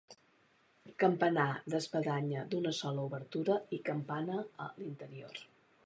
Campanar d'espadanya d'una sola obertura i campana a l'interior.